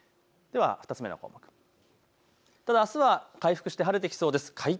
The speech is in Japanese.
２つ目の項目、あすは回復して晴れてきそうです。